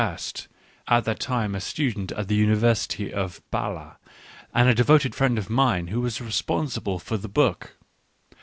Truth to tell, it was Peter Gast, at that time a student at the University of B&le, and a devoted friend of mine, who was responsible for the book.